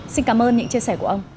xin cảm ơn những chia sẻ của ông